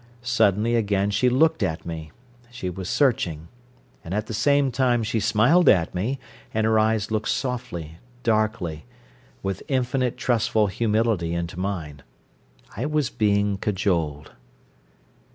Suddenly again she looked at me. She was searching. And at the same time she smiled at me, and her eyes looked softly, darkly, with infinite trustful humility into mine. I was being cajoled.